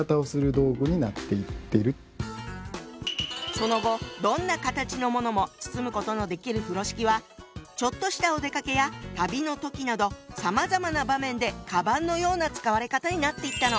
その後どんな形のものも包むことのできる風呂敷はちょっとしたお出かけや旅の時などさまざまな場面でかばんのような使われ方になっていったの。